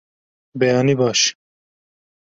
Beyanî baş!